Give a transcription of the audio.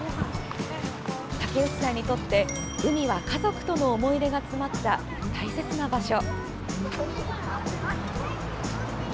竹内さんにとって海は家族との思い出が詰まった大切な場所。